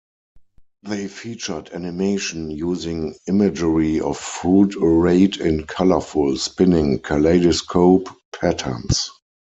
They featured animation using imagery of fruit arrayed in colorful, spinning kaleidoscope patterns.